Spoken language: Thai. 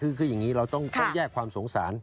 คืออย่างนี้เราต้องแยกความสงสาร